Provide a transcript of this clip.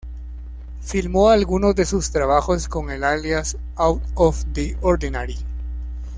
Firmó algunos de sus trabajos con el alias "Out Of The Ordinary".